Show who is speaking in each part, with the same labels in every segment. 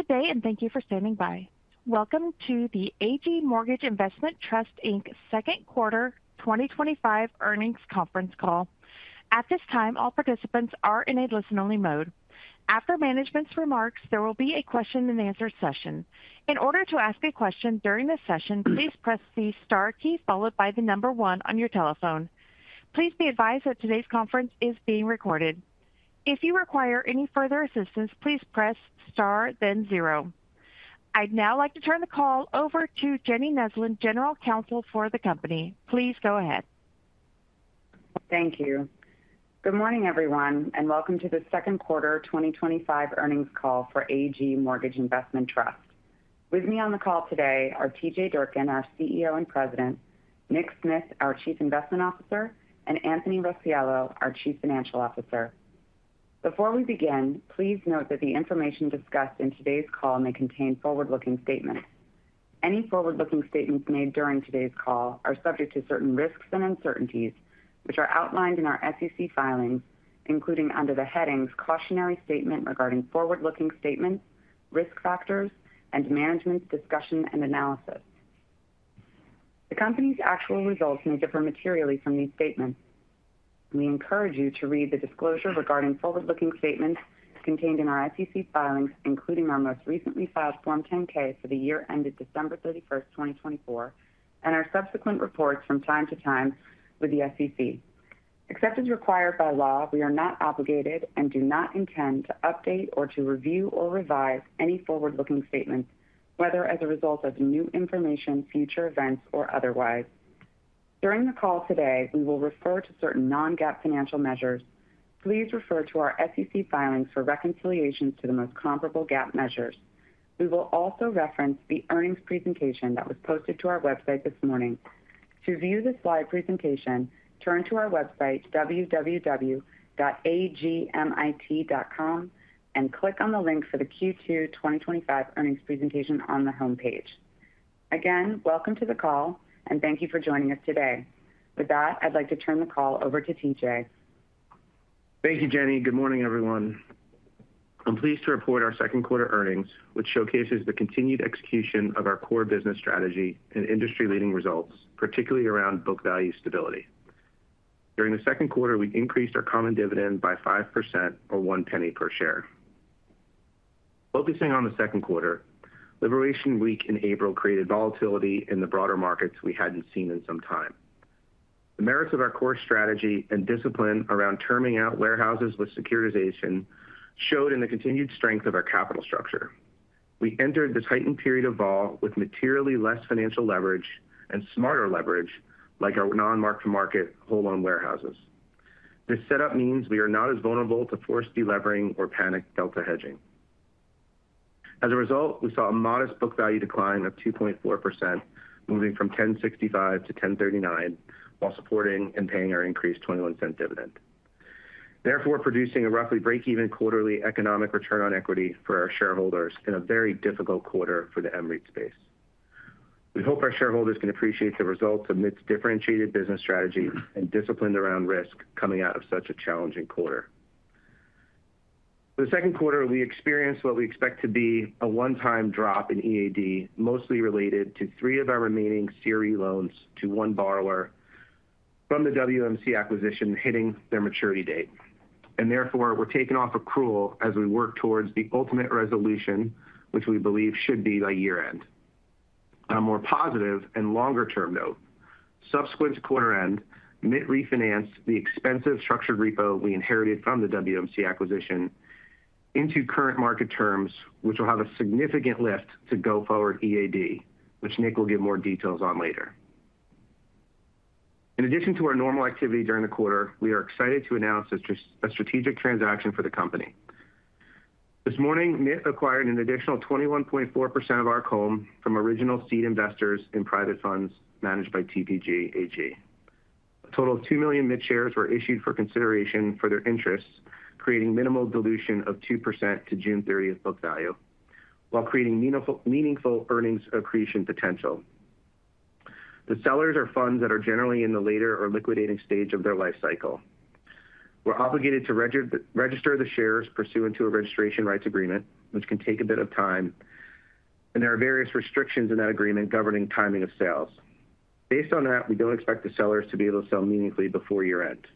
Speaker 1: Today, and thank you for standing by. Welcome to the AG Mortgage Investment Trust, Inc. Second Quarter 2025 Earnings Conference Call. At this time, all participants are in a listen-only mode. After management's remarks, there will be a question-and-answer session. In order to ask a question during this session, please press the star key followed by the number one on your telephone. Please be advised that today's conference is being recorded. If you require any further assistance, please press star, then zero. I'd now like to turn the call over to Jenny Neslin, General Counsel for the company. Please go ahead.
Speaker 2: Thank you. Good morning, everyone, and welcome to the Second Quarter 2025 Earnings Call for AG Mortgage Investment Trust. With me on the call today are T.J. Durkin, our CEO and President, Nick Smith, our Chief Investment Officer, and Anthony Rossiello, our Chief Financial Officer. Before we begin, please note that the information discussed in today's call may contain forward-looking statements. Any forward-looking statements made during today's call are subject to certain risks and uncertainties, which are outlined in our SEC filings, including under the headings Cautionary Statement Regarding Forward-Looking Statements, Risk Factors, and Management's Discussion and Analysis. The company's actual results may differ materially from these statements. We encourage you to read the disclosure regarding forward-looking statements contained in our SEC filings, including our most recently filed Form 10-K for the year ended December 31, 2024, and our subsequent reports from time to time with the SEC. Except as required by law, we are not obligated and do not intend to update or to review or revise any forward-looking statements, whether as a result of new information, future events, or otherwise. During the call today, we will refer to certain non-GAAP financial measures. Please refer to our SEC filings for reconciliations to the most comparable GAAP measures. We will also reference the earnings presentation that was posted to our website this morning. To view this live presentation, turn to our website www.agmit.com and click on the link for the Q2 2025 earnings presentation on the homepage. Again, welcome to the call and thank you for joining us today. With that, I'd like to turn the call over to T.J.
Speaker 3: Thank you, Jenny. Good morning, everyone. I'm pleased to report our second quarter earnings, which showcases the continued execution of our core business strategy and industry-leading results, particularly around book value stability. During the second quarter, we increased our common dividend by 5% or $0.01 per share. Focusing on the second quarter, Liberation Week in April created volatility in the broader markets we hadn't seen in some time. The merits of our core strategy and discipline around terming out warehouses with securitization showed in the continued strength of our capital structure. We entered the tightened period of vol with materially less financial leverage and smarter leverage, like our non-mark-to-market whole-owned warehouses. This setup means we are not as vulnerable to forced delevering or panic delta hedging. As a result, we saw a modest book value decline of 2.4%, moving from $10.65 to $10.39, while supporting and paying our increased $0.21 dividend. Therefore, producing a roughly break-even quarterly economic return on equity for our shareholders in a very difficult quarter for the agency mortgage REIT space. We hope our shareholders can appreciate the results of Nick's differentiated business strategy and discipline around risk coming out of such a challenging quarter. For the second quarter, we experienced what we expect to be a one-time drop in EAD, mostly related to three of our remaining CRE loans to one borrower from the WMC acquisition hitting their maturity date, and therefore, we're taking off accrual as we work towards the ultimate resolution, which we believe should be by year-end. On a more positive and longer-term note, subsequent to quarter-end, Nick refinanced the expensive structured repo we inherited from the WMC acquisition into current market terms, which will have a significant lift to go forward EAD, which Nick will give more details on later. In addition to our normal activity during the quarter, we are excited to announce a strategic transaction for the company. This morning, Nick acquired an additional 21.4% of our common from original seed investors in private funds managed by TPG AG. A total of 2 million MITT shares were issued for consideration for their interests, creating minimal dilution of 2% to June 30 book value, while creating meaningful earnings accretion potential. The sellers are funds that are generally in the later or liquidating stage of their life cycle. We're obligated to register the shares pursuant to a registration rights agreement, which can take a bit of time, and there are various restrictions in that agreement governing timing of sales. Based on that, we don't expect the sellers to be able to sell meaningfully before year-end.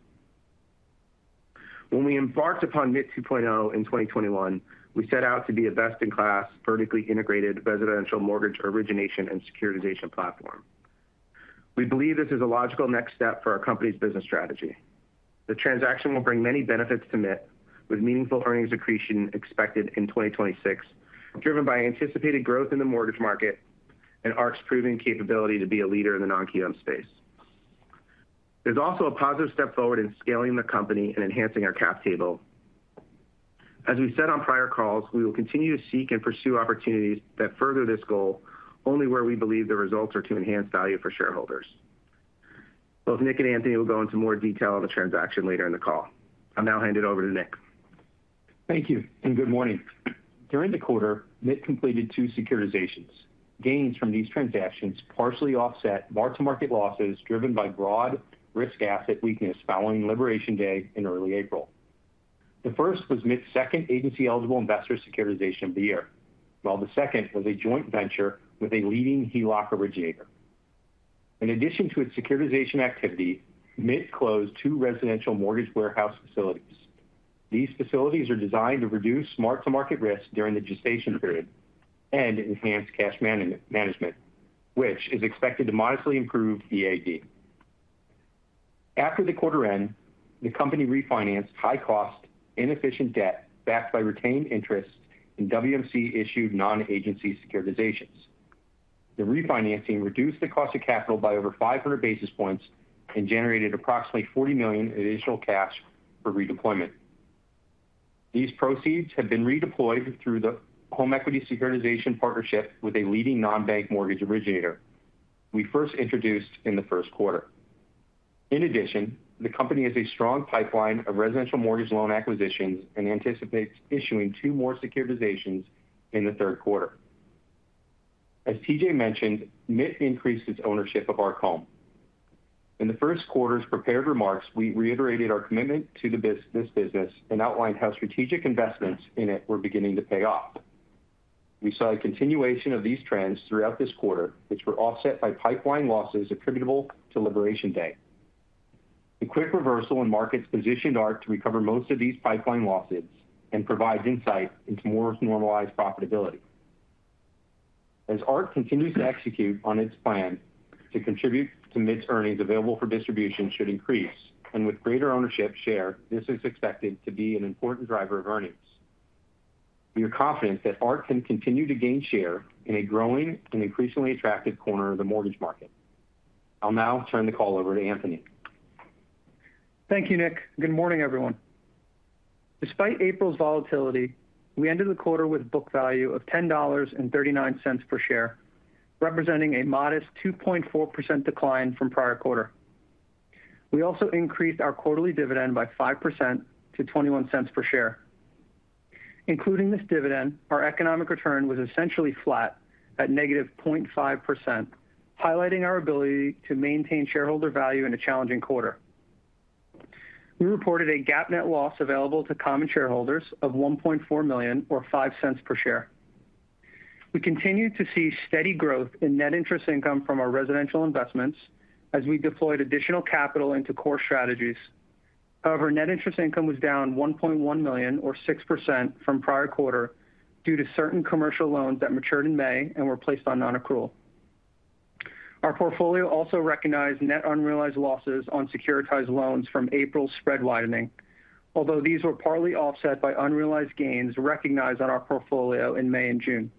Speaker 3: When we embarked upon MITT 2.0 in 2021, we set out to be a best-in-class, vertically integrated residential mortgage origination and securitization platform. We believe this is a logical next step for our company's business strategy. The transaction will bring many benefits to MITT with meaningful earnings accretion expected in 2026, driven by anticipated growth in the mortgage market and ARC Home's proven capability to be a leader in the non-agency-owned space. There's also a positive step forward in scaling the company and enhancing our cap table. As we've said on prior calls, we will continue to seek and pursue opportunities that further this goal, only where we believe the results are to enhance value for shareholders. Both Nick Smith and Anthony Rossiello will go into more detail on the transaction later in the call. I'll now hand it over to Nick.
Speaker 4: Thank you and good morning. During the quarter, MITT completed two securitizations. Gains from these transactions partially offset mark-to-market losses driven by broad risk asset weakness following Liberation Day in early April. The first was MITT's second agency-eligible investor securitization of the year, while the second was a joint venture with a leading HELOC originator. In addition to its securitization activity, MITT closed two residential mortgage warehouse facilities. These facilities are designed to reduce mark-to-market risk during the gestation period and enhance cash management, which is expected to modestly improve EAD. After the quarter ended, the company refinanced high-cost, inefficient debt backed by retained interest in WMC-issued non-agency securitizations. The refinancing reduced the cost of capital by over 500 basis points and generated approximately $40 million in additional cash for redeployment. These proceeds have been redeployed through the home equity securitization partnership with a leading non-bank mortgage originator we first introduced in the first quarter. In addition, the company has a strong pipeline of residential mortgage loan acquisitions and anticipates issuing two more securitizations in the third quarter. As T.J. mentioned, MITT increased its ownership of our ARC Home. In the first quarter's prepared remarks, we reiterated our commitment to this business and outlined how strategic investments in it were beginning to pay off. We saw a continuation of these trends throughout this quarter, which were offset by pipeline losses attributable to Liberation Day. The quick reversal in markets positioned ARC Home to recover most of these pipeline losses and provides insight into more normalized profitability. As ARC Home continues to execute on its plan to contribute to Nick Smith's earnings available for distribution should increase, and with greater ownership share, this is expected to be an important driver of earnings. We are confident that ARC Home can continue to gain share in a growing and increasingly attractive corner of the mortgage market. I'll now turn the call over to Anthony.
Speaker 5: Thank you, Nick. Good morning, everyone. Despite April's volatility, we ended the quarter with a book value of $10.39 per share, representing a modest 2.4% decline from prior quarter. We also increased our quarterly dividend by 5% to $0.21 per share. Including this dividend, our economic return was essentially flat at -0.5%, highlighting our ability to maintain shareholder value in a challenging quarter. We reported a GAAP net loss available to common shareholders of $1.4 million or $0.05 per share. We continued to see steady growth in net interest income from our residential investments as we deployed additional capital into core strategies. However, net interest income was down $1.1 million or 6% from prior quarter due to certain commercial loans that matured in May and were placed on non-accrual. Our portfolio also recognized net unrealized losses on securitized loans from April's spread widening, although these were partly offset by unrealized gains recognized on our portfolio in May and June.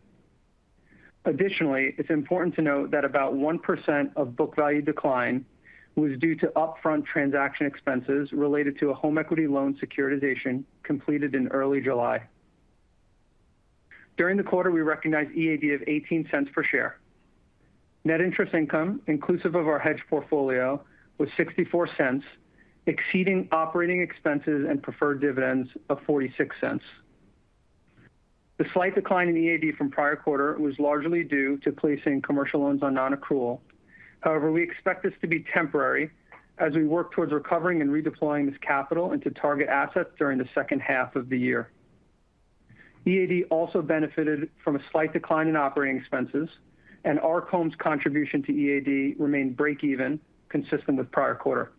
Speaker 5: Additionally, it's important to note that about 1% of book value decline was due to upfront transaction expenses related to a home equity loan securitization completed in early July. During the quarter, we recognized EAD of $0.18 per share. Net interest income, inclusive of our hedge portfolio, was $0.64, exceeding operating expenses and preferred dividends of $0.46. The slight decline in EAD from prior quarter was largely due to placing commercial loans on non-accrual. However, we expect this to be temporary as we work towards recovering and redeploying this capital into target assets during the second half of the year. EAD also benefited from a slight decline in operating expenses, and ARC Home's contribution to EAD remained break-even, consistent with prior quarter.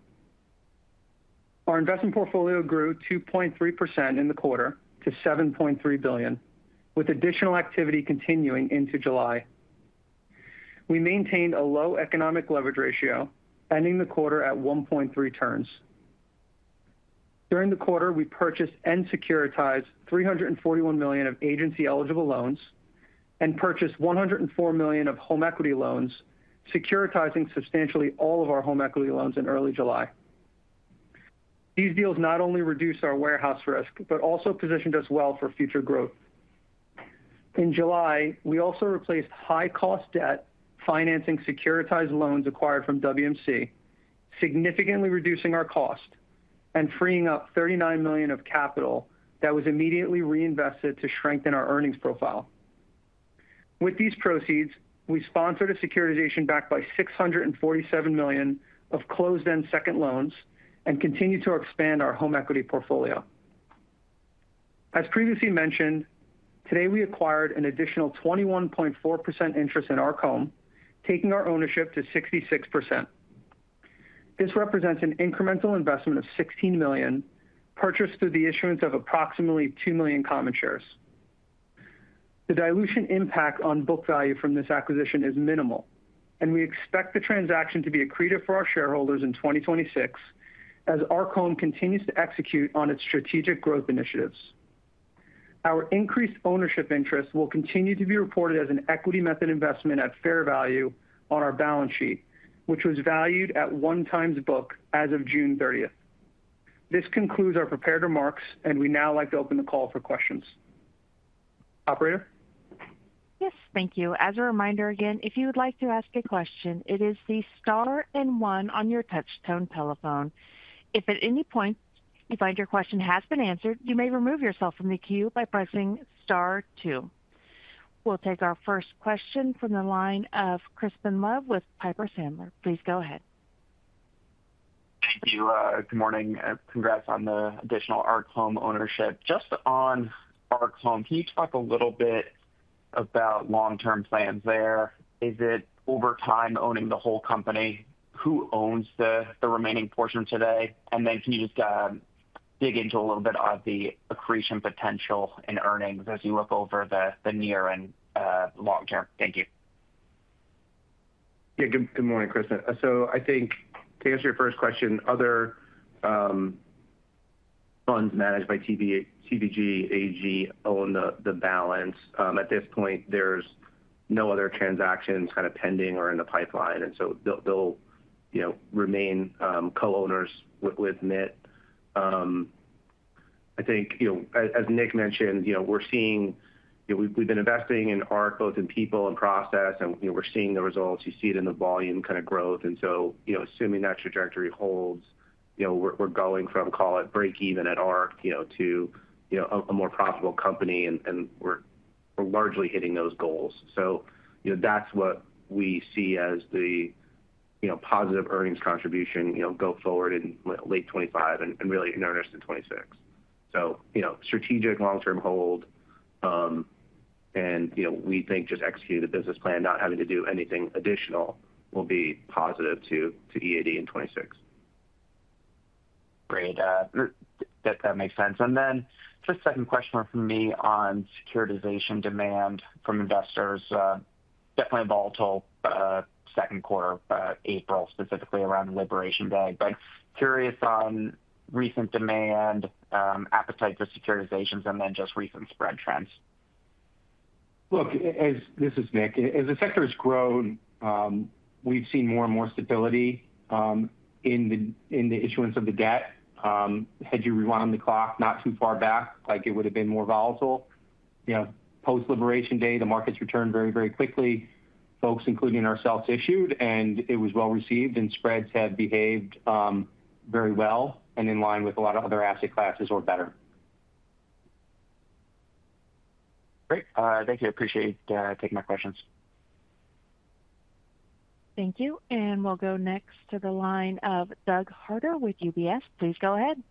Speaker 5: Our investment portfolio grew 2.3% in the quarter to $7.3 billion, with additional activity continuing into July. We maintained a low economic leverage ratio, ending the quarter at 1.3 turns. During the quarter, we purchased and securitized $341 million of agency-eligible loans and purchased $104 million of home equity loans, securitizing substantially all of our home equity loans in early July. These deals not only reduced our warehouse risk but also positioned us well for future growth. In July, we also replaced high-cost debt financing securitized loans acquired from WMC, significantly reducing our cost and freeing up $39 million of capital that was immediately reinvested to strengthen our earnings profile. With these proceeds, we sponsored a securitization backed by $647 million of closed-end second loans and continued to expand our home equity portfolio. As previously mentioned, today we acquired an additional 21.4% interest in ARC Home, taking our ownership to 66%. This represents an incremental investment of $16 million purchased through the issuance of approximately 2 million common shares. The dilution impact on book value from this acquisition is minimal, and we expect the transaction to be accretive for our shareholders in 2026 as ARC Home continues to execute on its strategic growth initiatives. Our increased ownership interest will continue to be reported as an equity method investment at fair value on our balance sheet, which was valued at one times book as of June 30. This concludes our prepared remarks, and we'd now like to open the call for questions. Operator?
Speaker 1: Yes, thank you. As a reminder again, if you would like to ask a question, it is the star and one on your touch-tone telephone. If at any point you find your question has been answered, you may remove yourself from the queue by pressing star two. We'll take our first question from the line of Crispin Love with Piper Sandler. Please go ahead.
Speaker 6: Thank you. Good morning. Congrats on the additional ARC Home ownership. Just on ARC Home, can you talk a little bit about long-term plans there? Is it over time owning the whole company? Who owns the remaining portion today? Can you just dig into a little bit of the accretion potential and earnings as you look over the near and long term? Thank you.
Speaker 3: Good morning, Crispin. I think to answer your first question, other funds managed by TPG AG own the balance. At this point, there's no other transactions pending or in the pipeline, and they'll remain co-owners with Nick. I think, as Nick mentioned, we're seeing we've been investing in ARC Home both in people and process, and we're seeing the results. You see it in the volume growth. Assuming that trajectory holds, we're going from, call it, break-even at ARC Home to a more profitable company, and we're largely hitting those goals. That's what we see as the positive earnings contribution going forward in late 2025 and really in earnest in 2026. Strategic long-term hold, and we think just executing the business plan, not having to do anything additional, will be positive to EAD in 2026.
Speaker 6: Great. That makes sense. The second question for me on securitization demand from investors, definitely a volatile second quarter, April, specifically around Liberation Day. Curious on recent demand, appetite for securitizations, and just recent spread trends.
Speaker 4: Look, this is Nick. As the sector has grown, we've seen more and more stability in the issuance of the GAAP. Had you rewound the clock not too far back, it would have been more volatile. Post-Liberation Day, the markets returned very, very quickly. Folks, including ourselves, issued, and it was well received, and spreads have behaved very well and in line with a lot of other asset classes or better.
Speaker 6: Great. Thank you. I appreciate taking my questions.
Speaker 1: Thank you. We'll go next to the line of Doug Harter with UBS. Please go ahead.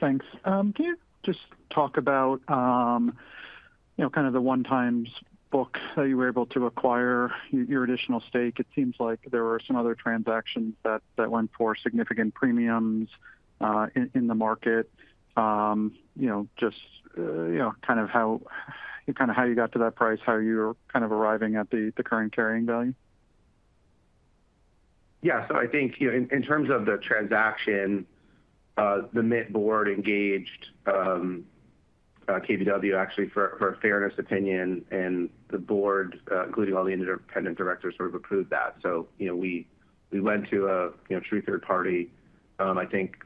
Speaker 7: Thanks. Can you just talk about the one-times book that you were able to acquire your additional stake? It seems like there were some other transactions that went for significant premiums in the market. Just how you got to that price, how you were arriving at the current carrying value?
Speaker 3: I think, in terms of the transaction, the MITT Board engaged KBW for a fairness opinion, and the board, including all the independent directors, approved that. We went to a true third party. I think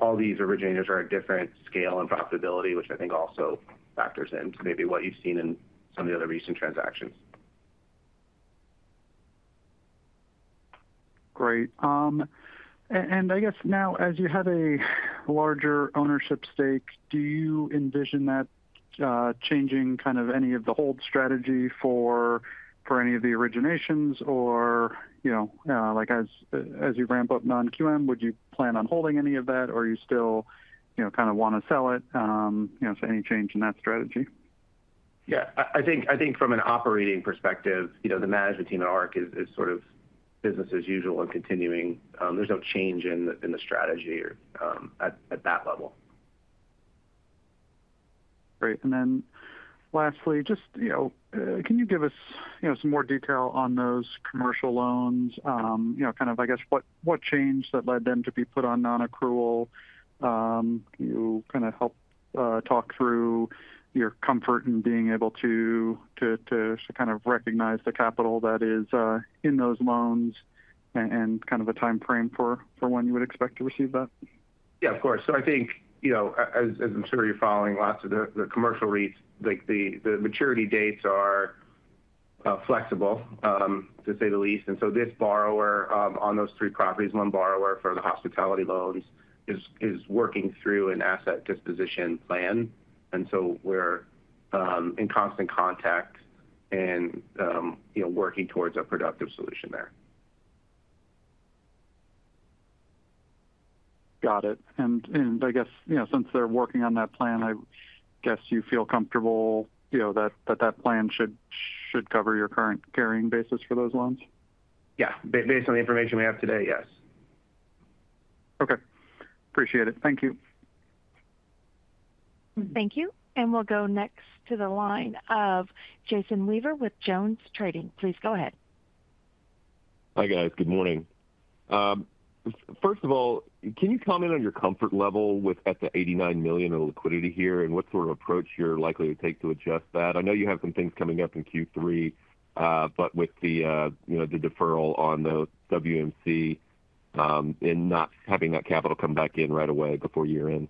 Speaker 3: all these originators are at different scale and profitability, which I think also factors into maybe what you've seen in some of the other recent transactions.
Speaker 7: Great. I guess now, as you have a larger ownership stake, do you envision that changing any of the hold strategy for any of the originations? As you ramp up non-QM, would you plan on holding any of that, or do you still want to sell it? Any change in that strategy?
Speaker 3: I think from an operating perspective, the management team at ARC Home is sort of business as usual and continuing. There's no change in the strategy or at that level.
Speaker 7: Great. Lastly, can you give us some more detail on those commercial loans? What changed that led them to be put on non-accrual? You helped talk through your comfort in being able to recognize the capital that is in those loans and a timeframe for when you would expect to receive that?
Speaker 3: Yeah, of course. I think, you know, as I'm sure you're following, lots of the commercial REITs, like the maturity dates are flexible, to say the least. This borrower on those three properties, one borrower for the hospitality loans, is working through an asset disposition plan. We're in constant contact and, you know, working towards a productive solution there.
Speaker 7: Got it. Since they're working on that plan, I guess you feel comfortable that that plan should cover your current carrying basis for those loans?
Speaker 3: Yeah, based on the information we have today, yes.
Speaker 7: Okay. Appreciate it. Thank you.
Speaker 1: Thank you. We'll go next to the line of Jason Weaver with JonesTrading. Please go ahead.
Speaker 8: Hi guys, good morning. First of all, can you comment on your comfort level with the $89 million of liquidity here and what sort of approach you're likely to take to adjust that? I know you have some things coming up in Q3, with the deferral on the WMC and not having that capital come back in right away before year-end.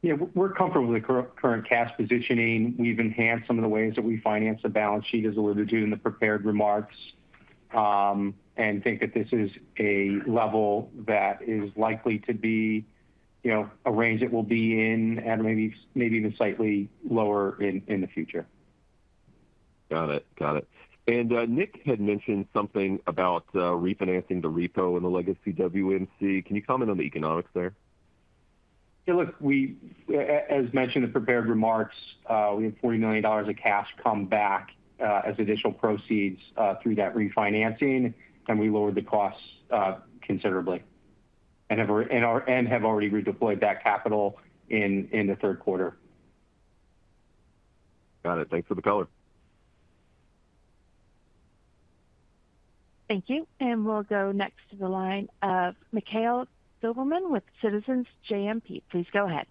Speaker 3: Yeah, we're comfortable with the current cash positioning. We've enhanced some of the ways that we finance the balance sheet, as alluded to in the prepared remarks, and think that this is a level that is likely to be a range it will be in and maybe even slightly lower in the future.
Speaker 8: Got it. Nick had mentioned something about refinancing the repo in the legacy WMC. Can you comment on the economics there? Yeah, look, as mentioned in the prepared remarks, we had $49 million of cash come back as additional proceeds through that refinancing, and we lowered the costs considerably and have already redeployed that capital in the third quarter. Got it. Thanks for the color.
Speaker 1: Thank you. We'll go next to the line of Mikhail Goberman with Citizens JMP. Please go ahead.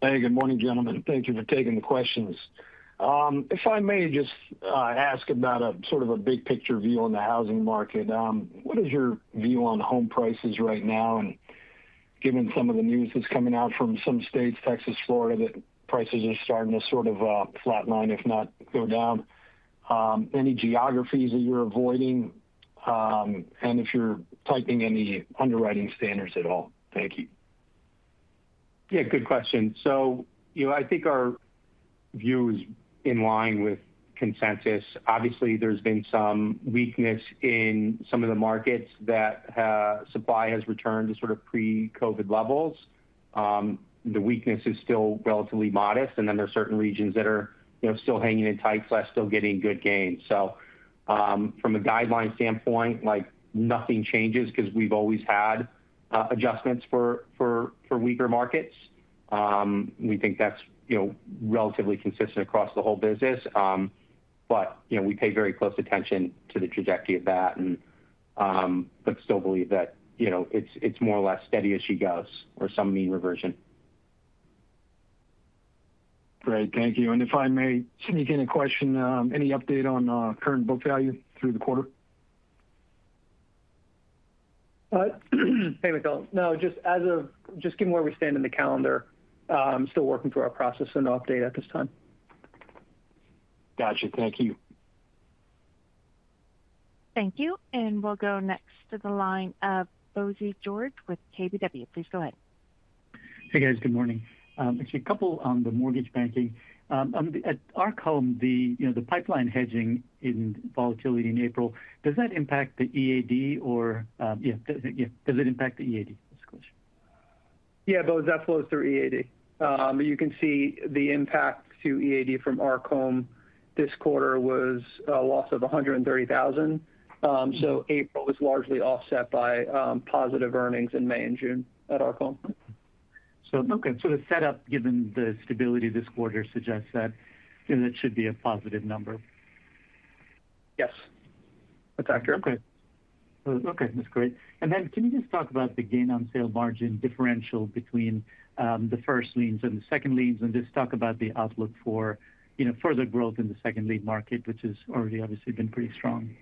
Speaker 9: Hey, good morning, gentlemen. Thank you for taking the questions. If I may just ask about a sort of a big-picture view on the housing market, what is your view on home prices right now? Given some of the news that's coming out from some states, Texas, Florida, that prices are starting to sort of flatline, if not go down, any geographies that you're avoiding, and if you're tightening any underwriting standards at all? Thank you.
Speaker 3: Good question. I think our view is in line with consensus. Obviously, there's been some weakness in some of the markets as supply has returned to sort of pre-COVID levels. The weakness is still relatively modest, and there are certain regions that are still hanging in tight, still getting good gains. From a guideline standpoint, nothing changes because we've always had adjustments for weaker markets. We think that's relatively consistent across the whole business. We pay very close attention to the trajectory of that, and still believe that it's more or less steady as she goes or some mean reversion.
Speaker 9: Great. Thank you. If I may sneak in a question, any update on current book value through the quarter?
Speaker 5: Hey, Mikhail. No, just given where we stand in the calendar, I'm still working through our process, so no update at this time.
Speaker 9: Gotcha. Thank you.
Speaker 1: Thank you. We'll go next to the line of Bose George with KBW. Please go ahead.
Speaker 10: Hey guys, good morning. Actually, a couple on the mortgage banking. I'm at ARC Home, the pipeline hedging in volatility in April. Does that impact the EAD or, yeah, does it impact the EAD?
Speaker 5: Yeah, those that flows through EAD. You can see the impact to EAD from ARC Home this quarter was a loss of $130,000. April was largely offset by positive earnings in May and June at ARC Home.
Speaker 10: The setup, given the stability this quarter, suggests that, you know, that should be a positive number.
Speaker 5: Yes, that's accurate.
Speaker 10: Okay. That's great. Can you just talk about the gain-on-sale margin differential between the first liens and the second liens, and just talk about the outlook for, you know, further growth in the second lien market, which has already obviously been pretty strong?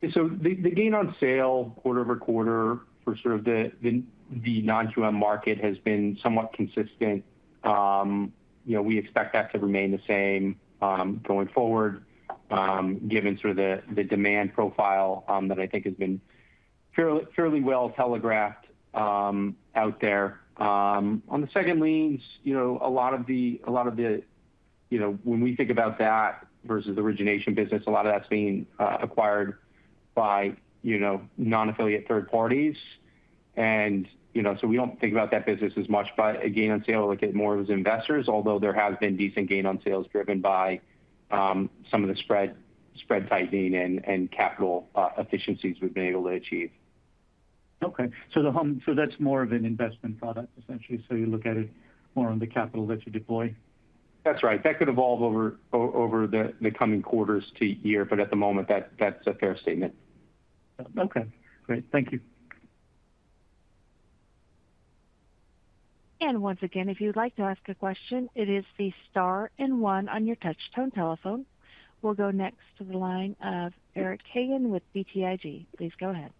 Speaker 3: The gain on sale quarter over quarter for sort of the non-QM market has been somewhat consistent. We expect that to remain the same going forward, given sort of the demand profile that I think has been fairly well telegraphed out there. On the second liens, when we think about that versus the origination business, a lot of that's being acquired by non-affiliate third parties. We don't think about that business as much, but a gain on sale will get more of those investors, although there has been decent gain on sales driven by some of the spread tightening and capital efficiencies we've been able to achieve.
Speaker 4: Okay. That's more of an investment product, essentially. You look at it more on the capital that you deploy?
Speaker 3: That's right. That could evolve over the coming quarters to year, but at the moment, that's a fair statement.
Speaker 10: Okay. Great. Thank you.
Speaker 1: If you'd like to ask a question, it is the star and one on your touch-tone telephone. We'll go next to the line of Eric Hagen with BTIG. Please go ahead.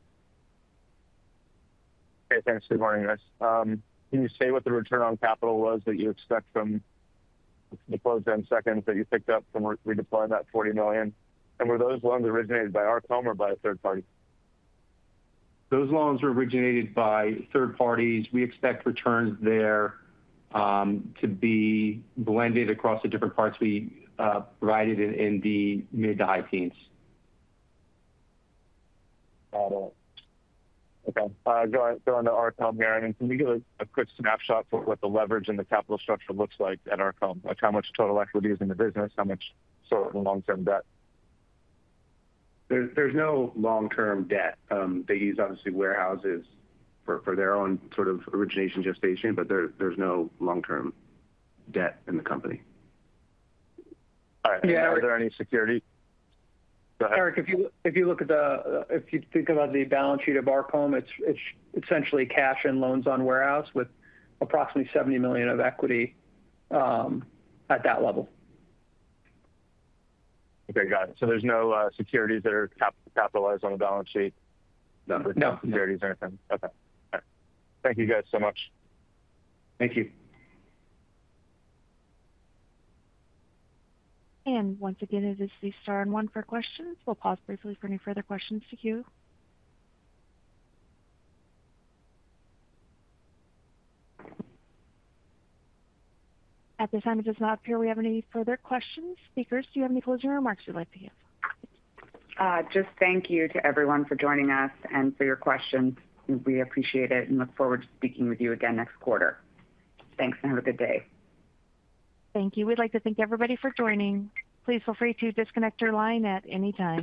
Speaker 11: Hey, thanks. Good morning, guys. Can you say what the return on capital was that you expect from the closed end seconds that you picked up from redeploying that $40 million? Were those loans originated by ARC Home or by a third party?
Speaker 3: Those loans were originated by third parties. We expect returns there to be blended across the different parts we provided in the mid-high teens.
Speaker 11: Got it. Okay. Going to ARC Home here, can you give a quick snapshot for what the leverage and the capital structure looks like at ARC Home? Like how much total equity is in the business? How much sort of long-term debt?
Speaker 3: There's no long-term debt. They use, obviously, warehouses for their own sort of origination gestation, but there's no long-term debt in the company.
Speaker 11: All right. Are there any securities? Go ahead.
Speaker 5: Eric, if you look at the, if you think about the balance sheet of ARC Home, it's essentially cash and loans on warehouse with approximately $70 million of equity at that level.
Speaker 11: Okay, got it. There's no securities that are capitalized on the balance sheet?
Speaker 3: No.
Speaker 10: No securities or anything? Okay. All right. Thank you guys so much.
Speaker 4: Thank you.
Speaker 1: It is the star and one for questions. We'll pause briefly for any further questions to queue. At this time, it does not appear we have any further questions. Speakers, do you have any closing remarks you'd like to give?
Speaker 2: Thank you to everyone for joining us and for your questions. We appreciate it and look forward to speaking with you again next quarter. Thanks and have a good day.
Speaker 1: Thank you. We'd like to thank everybody for joining. Please feel free to disconnect your line at any time.